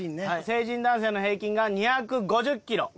成人男性の平均が２５０キロ。